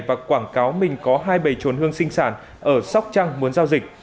và quảng cáo mình có hai bầy chuồn hương sinh sản ở sóc trăng muốn giao dịch